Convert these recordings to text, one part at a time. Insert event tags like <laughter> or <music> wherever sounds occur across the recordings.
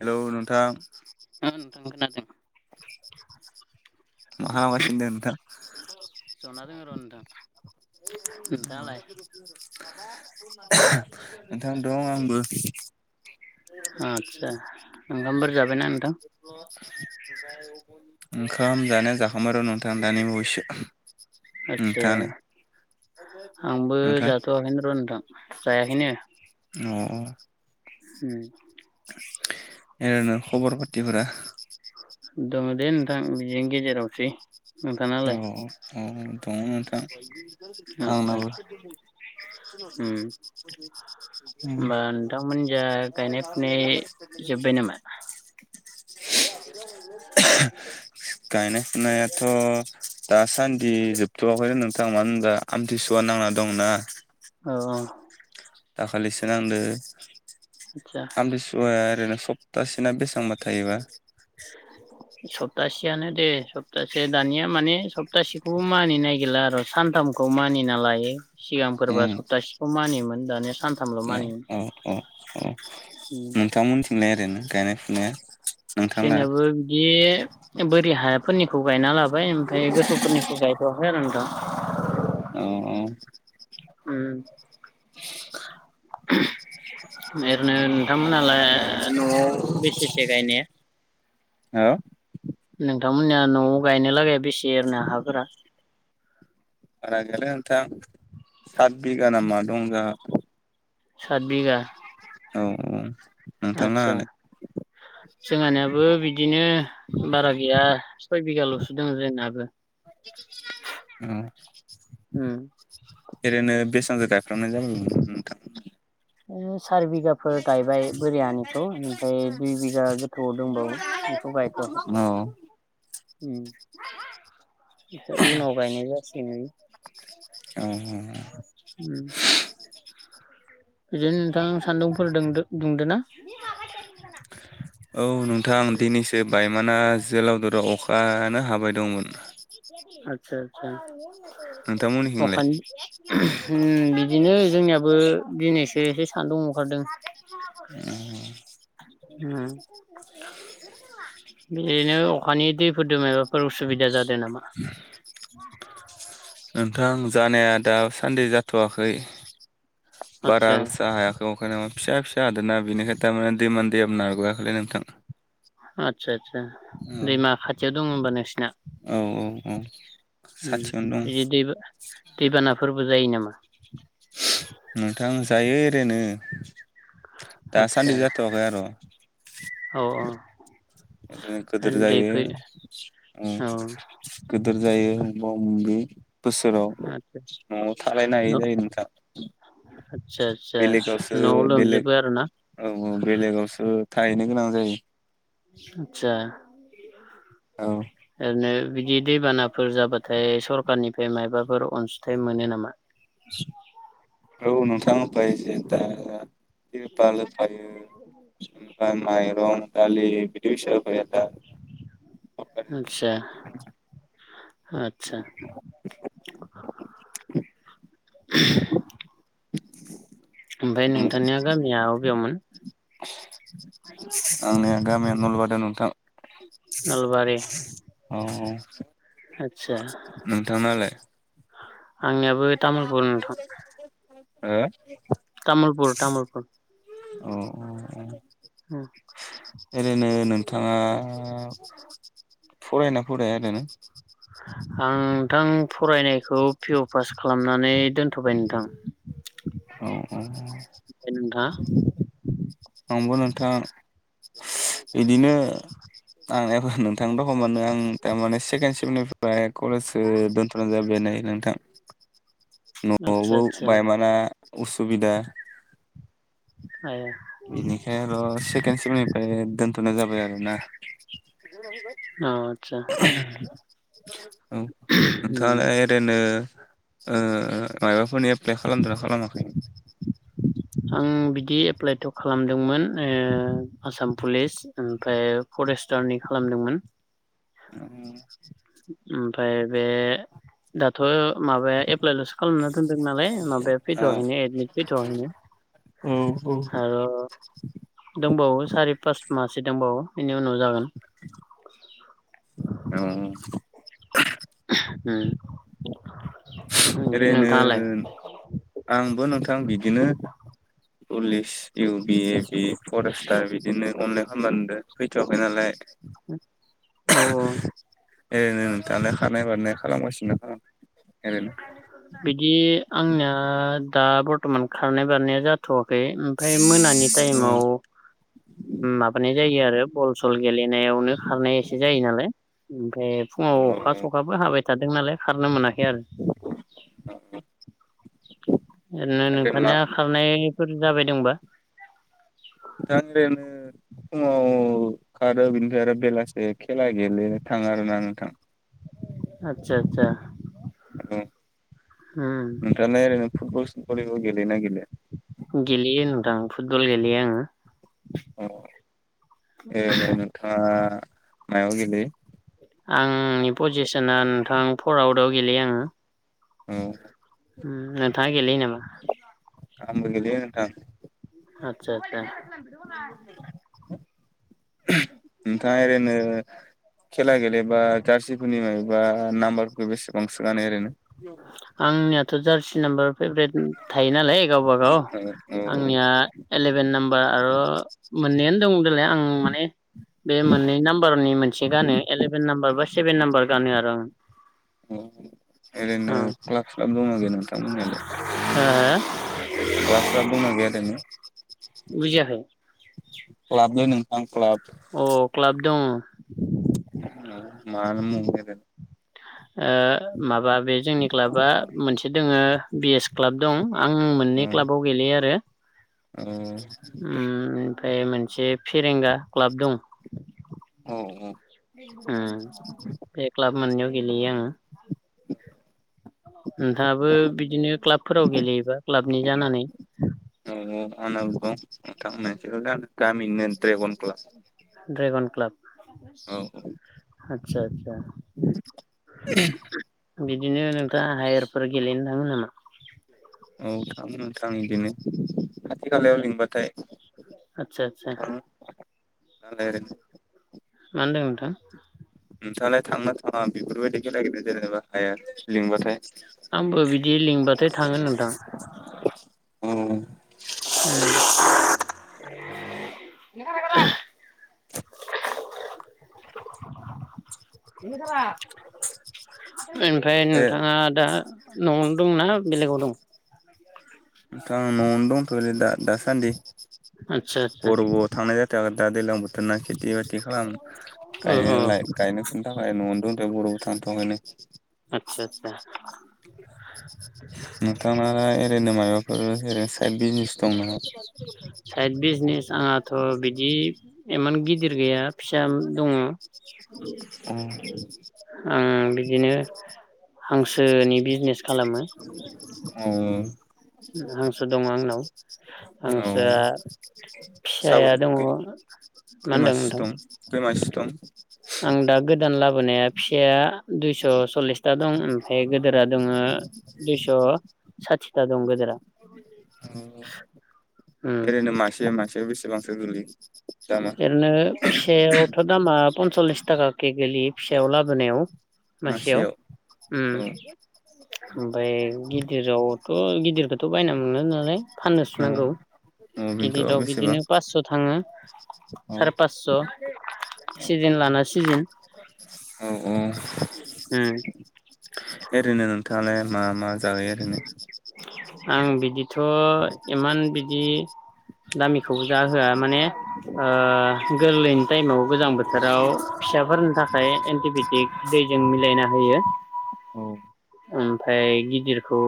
Hello नोंथां! औ नोंथां खोनादों। मा खामगासिनो दों नोंथां? जना दोङो र' नोंथां। नोंथाङालाय? <unintelligible> नोंथां दं आंबो। <inaudible> <unintelligible> आदसा ओंखामफोर जाबायना नोंथां ओंखाम जानाया जाखांबाय र' नोंथां दानि बावैसो। आदसा, नोंथाङालाय आंबो नोंथां जाथ'वाखैनो र' नोंथां जायाखैनो। अ। उम। <inaudible> ओरैनो खबर पाथिफोरा? दङ दे नोंथां बिदिनो गेजेरावसै। अ नोंथाङालाय आ दङ नोंथां। आदसा आंनाबो। उम <unintelligible> होमबा नोंथांमोन जा गायनाय फुनाय जोब्बाय नामा? <unintelligible> गायनाय फुनायाथ' दासान्दि जोबथ'वाखैनो नोंथां मानो होनोबा आमथिसुवा नांना दङोना। औ। दाखालिसो नांदो, आदसा आमथिसु सुवाया ओरैनो सप्तासे ना बेसांबा थायोबा? <inaudible> सप्तासे आनो दे, सप्तासे। दानिया माने सप्तासेखौबो मानिनो नागिरला आरो सानथाम खौ मानिना लायो, सिगांफोरबा सप्तासेखौ मानियोमोन दानिया सानथामल' अ मानियो अ अ अ उम नोंथांमोनथिंलाय ओरैनो गायनाय फुनाया? नोंथांना जोंनियाबो बि बोरि हाफोरनिखौ गायना लाबा ओमफ्राय ओमफ्राय गोथौफोरनिखौ गायथ'आखै आरो नोथां। अ अ। उम। <unintelligible> ओरैनो नोंथांमोनहालाय न'आव बेसेसो गायनाया? हो? नोंथांमोननिया न'आव गायनो लागाया बेसे ओरैनो हाफोरा? बारा गैयालै नोंथां सात बिघा नामा दं जोंहा। सात बिघा। औ औ नोंथां लाहालाय? जोंहानिआबो बिदिनो बारा गैया सय बिघाल'सो दोङो जोंनाबो। ओम। उम ओरैनो बेसांसो गायफ्रामनाय जायो नोंथां? ओ सारि बिघा फोर गायबाय बोरि हानिखौ ओमफ्राय दुइ बिघा गोथौआव दंबावो बेखौ गाय <unintelligible> औ। उम, बेखौ उनाव गायनाय जासिगोन बे। अ अह अ। उम, बिदिनो नोंथां सान्दुंफोर दोंदो दुंदोना? औ नोंथां दिनैसो बायमाना जोलावदराव अ आनो हाबाय दंमोन। आतसा आतसा नोंथांमोननिथिंलाय अखानि बिदिनो जोंनियाबो दिनैसो एसे सान्दुं ओंखारदों। उम उम बिनो अखानि दैफोरदो मायबा फोर उसुबिदा जादों नामा <inaudible> नोंथां जानाया दासान्दि जाथ'आखै बारा आतसा गोसा हा अखाया <unintelligible> फिसा फिसा हादोना बेखाय तारमाने दैमोन दैेआबो नारग'हायाखैलै नोंथां। आदसा आदसा औ दैमा खाथियाव दङ' होनबा नोंसिना औ औ औ। उम साथियावनो दं इदि दै दै बानाफोरबो जायो नामा? नोंथां जायो ओरैनो आदसा दासान्दि जाथ'वाखै आर' औ औ। <unintelligible> गोदोर दै जायो फै उम औ गिदिर जायो अबावबा अबि बोसोराव आतसा न'आव थालायनो हायि जायो नोंथां। आतसा आतसा बेलेगावसो न'आव बेलेग लोमजोबो आरो ना? औ औ बेलेगावसो थाहैनो गोनां जायो। आतसा औ ओरैनो बिदि दैबानाफोर जाबाथाय सरखारनिफ्राय मायबाफोर अनसुंथाइ मोनो नामा? औ नोंथां बायजेता आ तिरपाल होफायो ओमफाय माइरं, दालि बिदि फैसा होफैयो दा सरखारनिफ्राय। <unintelligible> आतसा ओमफाय नोंथांनिया गामिया अबेयावमोन आंनिया गामिया नलबारियाव नोंथां नलबारि औ औ आदसा नोंथांनालाय आंनियाबो तामुलपुर नोंथां ओ तामुलपुर तामुलपुर औ अ अ उम ओरैनो नोंथाङा फरायो ना फराया ओरैनो आं नोंथां फरायनायखौ पिअ पास खालामनानै दोनथबाय नोंथां औ औ नोंथाङा आंबो नोंथां इदिनो आं एह नोंथांनि‌ रखमानो आं थारमाने सेकेण सेमनिफ्राय कलेजसो दोन जाफ्लेनाय नोंथां <inaudible> आदसा नआवबो आदसा बायमाना उसुबिदा हाया बेनिखाय आर सेकेण सेमनिफाय दोनथनाय जाबाय आरोना नाव आतसा ओं उम नोंथाङालाय ओरैनो ओ मायबाफोरनि एप्लाइ खालामदोंना खालामा आं बिदि एप्लाइथ' खालामदोंमोन ओ आसाम पुलिस ओमफ्राय फरेस्टारनि खालामदोंमोन। ओ ओमफाय बे दाथ' माबाया एप्लाइल'सो खालामना दोनदों नालाय माबाया औ फैथ'वाखैनो एदमिट फैथ'वाखैनो। <inaudible> औ औ। आरो दंबावो सारि पास माहसो दंबावो बेनि उनाव जागोन। <inaudible> औ ओम एरैनो आंबो नोंथां बिदिनो पुलिस इउ बि एबि फरेस्टार बिदिनो अनलाइन खालामना दोन फैथ'वाखै नालाय। औ औ। एरैनो नोंथाङालाय खारनाय बारनाय खालामगासिनो ना खालाम एरैनो? बिदि आंनिया दा बरथ'मान खारनाय बारनाया जाथ थ'वाखै ओमफ्राय मोनानि औ टाइमाव माबानाय जायो आरो बल सल गेलेनायावनो खारनाय एसे जायो नालाय ओमफ्राय फुङाव औ अखा सखाबो हाबाय थादों नालाय खारनो मोनाखै आरो। ओरैनो ओरै मा नोंथांनिया खारनायफोर जाबाय दंबा? <inaudible> फुङाव खारो बिनिफ्राय आरो बेलासे खेला गेलेनो थाङो आरोना नोंथां। आतसा आतसा ओम। दाना ओरैनो फुटबल भलिबल गेलेयो ना गेलेया? गेलेयो नोंथां फुटबल गेलेयो आङो। अ एरैनो नोंथाङा मायाव गेलेयो? आंनि फजेसना नोंथां फर आवट आव गेलेयो आङो। अ उम नोंथाङा गेलेयो नामा? आंबो गेलेयो नोथां। आतसा आतसा। नोंथाङा ओरैनो खेला गेलेबा जारसिफोरनि माबेबा नाम्बारफोरखौ बेसेबांसो गानो ओरैनो? आंनियाथ' जारसि नाम्बार फेभरेट थायो नालाय गावबागाव औ आंनिया एलेभेन नाम्बार आर' मोननैयानो दं देलाय आं माने बे मोननै नाम्बारनि मोनसे गानो एलेभेन नाम्बार बा सेभेन नाम्बार गानो आरो आं। औ ओरैनो क्लाब स्लाब दंना गैया नोंथांमोननियालाय? हो हो क्लाब साब दंना गैया ओरैनो? बुजियाखै? क्लाबलै नोंथां क्लाब। अ क्लाब दङ। <unintelligible> ओ माबा बे जोंनि क्लाबा मोनसे दङो बि एस क्लाब दं। आं मोननै क्लाबाव गेलेयो आरो। ओम। ओम ओमफ्राय मोनसे फेरेंगा क्लाब दं। औ ओम बे क्लाब मोननैयाव गेलेयो आङो। नोथाङाबो बिदिनो क्लाबफोराव गेलेयोबा क्लाबनि जानानै? दं आंनाबो दं नोंथां मोनसेल' दं गामिनिनो ड्रेगन क्लाब। ड्रेगन क्लाब, औ आतसा आतसा। बिदिनो नोंथाङा हायारफोर गेलेनो थाङो नामा? औ थाडो नोंथां बिदिनो खाथि खालायाव लिंबाथाय, आदसा आदसा थाङो ओरैनो। मा होनदों नोंथां? नोंथाङालाय थांङोना थाङा बेफोरबायदि खेला गेलेनो जेनेबा हायार लिंबाथाय? आंबो बिदि लिंबाथाय थाङो नोंथां। औ। ओम। ओमफ्राय ए नोंथाङा दा न'आवनो दं ना बेलेगाव दं? नोंथां न'आवनो दंथ'यो नै दासान्दि आदसा आदसा बर'बाव थांनाय था दा दैलां बोथोरा खेथि बाथि खालाम अ गायनो गायनो बेनि थाखाय न'आव द बर'बाव थानो थांथ'आखैनो। आतसा आतसा। नोंथांनालाय ओरैनो मायबाफोर ओनो साइद बिजनेस दं नामा? साइद बिजनेस आंहाथ' बिदि इमान गिदिर गैया। फिसा दङ। औ। आं बिदिनो हांसोनि बिजनेस खालामो। औ। उम हांसो दङ आंनाव। औ हांसोआ साबै फिसाया दङ मा होनदों खैमासि नोंथां दं खैमासि दं? आं दा गो गोदान लाबोनाया फिसाया दुइस' सललिसथा दं ओमफफ्राय गेदेरा दङ दुइस' साथिथा दं गेदेरा। औरैनो मासे मासेयाव बेसेबांसो गोलैयो? दामा ओरैनो फिसायावथ' दामा पनस'लिस थाखा के गोलैयो फिसायाव लाबोनायाव। मासेयाव उम। औ ओमफ्राय गिदिरावथ' गिदिरखौथ' बायना मोनो नालाय औ फाननोसो नांगौ। औ बेनोथ' गिदिराव बेसेबां बिदिनो फासस' थाङो औ साराय पासस' सिजेन लाना सिजेन। औ औ। उम। ओरैनो नोंथाङालाय मा मा जायो ओरैनो? आं बिदिथ' इमान बिदि दामिखौबो जा होआ माने ओ गोरलैनि टाइमाव गोजां बोथोराव फिसाफोरनि थाखाय एन्टिबायटिक दैजों मिलायना होयो। औ। ओमफाय गिदिरखौ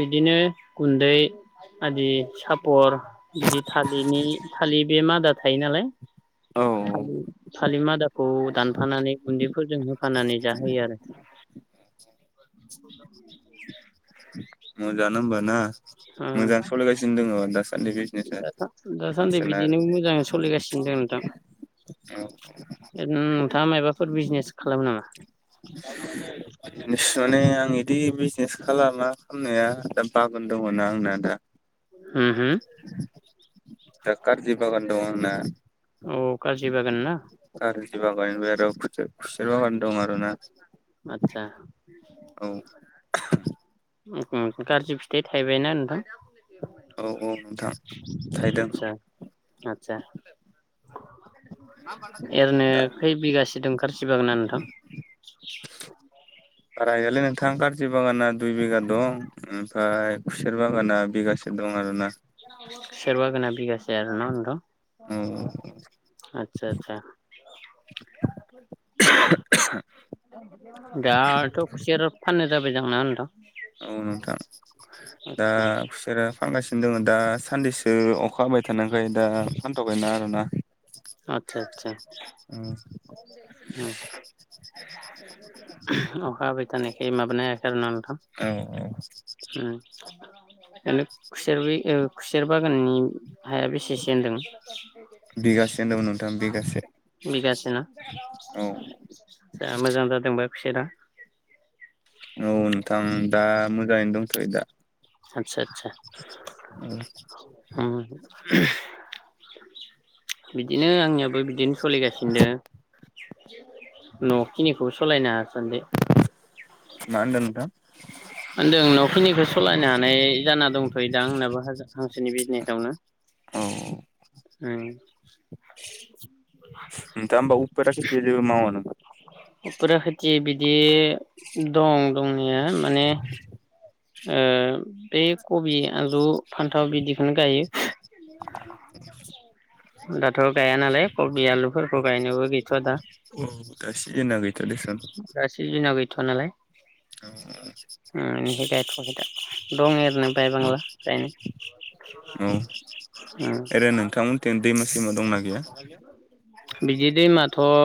बिदिनो गुन्दै आदि सापर बिदि थालिरनि थालिर बे मादा थायो नालाय औ थालिर। थालिर मादाखौ दानफानानै गुन्दैफोरजों होफानानै जाहोयो आरो। <unintelligible> मोजाङानो होमबाना ओ मोजां सलायगासिनो दोङो दास सान्दै बिजनेस आ दासान्दि हांसोना बिदिनो आरो। मोजाङै सोलिगासिनो दं नोंथां ओरैनो नोंथाङा मायबाफोर बिजनेस खालामो नामा? <unintelligible> माने आं इदि बिजनेस खालामा खामनाया दा बागान दङना आंना दा। होम हो। दा कारजि बागान दं आंना। औ कारजि बागान ना। कारजि बागान ओमफ्राय आरो खुसि खुसेर बागान दं आरो ना। आतसा। औ। उम उम कारजि फिथाइ थायबायना नोंथां? औ औ नोंथं थायदों आतसा। आतसा ओरैनो दा खै बिगासे दं कार जि बागाना नोंथां? बारा गैयालै नोंथां कारजि बागाना दुइ बिगा दं। ओमफ्राय खुसेर बागाना बिगासे दं आरोना। खुसेर बागाना बिगासे आरो न' नोंथां? औ औ। आतसा आतसा। <unintelligible> दाथ' खुसेर फाननो जाबाय दां ना नोंथां? औ नोंथां दा आदसा खुसेरा फानगासिनो दङ दा सानदिसो अखा हाबाय थानायखाय दा फानथ'वाखै आरो ना। औ। ओम अखा हाबाय थानायखाय माबानो हायाखै आरो न'? औ औ <unintelligible> उम। हेलेब खुसेर बे ओ खुसेर बागाननि हाया बेसेसो होनदों? बिगासे होनदोमोन नो बिगासे ना औ जा मोजां जादोंबा खुसेरा। औ नोंथां दा मोजाङैनो दंथ'यो दा। आतसा आतसा। औ उम <unintelligible> बिदिनो आंनियाबो बिदिनो सलिगासिनो दोङो। न'खिनिखौबो सलायनो हासानदि। मा होनदों नोंथां? <inaudible> होनदों न'खिनिखौ सलायनो हानाय जाना दंथ'यो दा आंनाबो हा-हांसोनि बिजनेसावनो। औ ओं नोंथाङा होनबा उफेरा खेथि जेबो मावा नामा? अफरा खेथि बिदि दं दंनाया माने ओ बे कबि आलु फान्थाव बिदिखौनो गायो। दाथ' गाया नालाय कबि आलुफोरखौ गायनोबो गैथ'आ दा। अ दा सिजिना गैथ'आ देसुन। एदिना गैथ'आ नालाय ओं ओं बेनिखाय गायथ'वाखै दं ओरैनो बाय बांला दायो उम। बे नोंथांमोनथिं दैमा सैमा दंना गैया? बिदि दैमाथ'